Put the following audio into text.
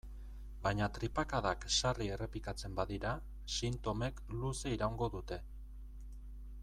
Baina tripakadak sarri errepikatzen badira, sintomek luze iraungo dute.